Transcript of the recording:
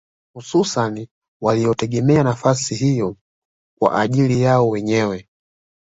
Hususani waliotegemea nafasi hiyo kwa ajili yao wenyewe